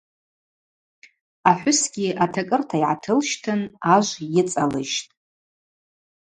Ахӏвысгьи атакӏырта йгӏатылщтын, ажв йыцӏалыжьтӏ.